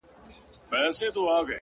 زه په دې افتادګۍ کي لوی ګَړنګ یم؛